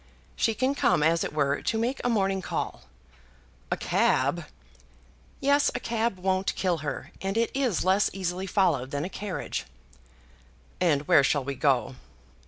She can come, as it were, to make a morning call." "A cab!" "Yes; a cab won't kill her, and it is less easily followed than a carriage." "And where shall we go?"